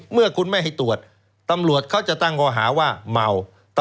เมื่อคุณไม่ให้ตรวจตำรวจเขาจะตั้งข้อหาว่าเมา